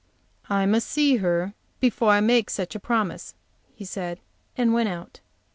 "I must see her before I make such a promise," he said, and went out.